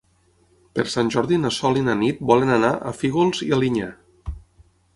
Per Sant Jordi na Sol i na Nit volen anar a Fígols i Alinyà.